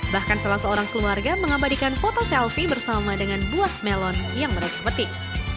bahkan salah seorang keluarga mengabadikan foto selfie bersama dengan buah melon yang mereka petik